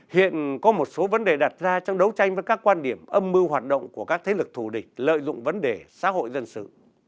hiện có một số vấn đề đặt ra trong đấu tranh với các quan điểm âm mưu hoạt động của các thế lực thù địch lợi dụng vấn đề xã hội dân sự